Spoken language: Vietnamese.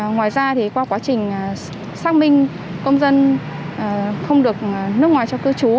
ngoài ra thì qua quá trình xác minh công dân không được nước ngoài cho cư trú